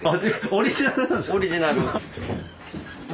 オリジナル。